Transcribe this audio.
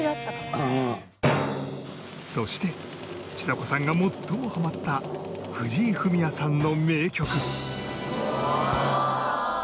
そしてちさ子さんが最もハマった藤井フミヤさんの名曲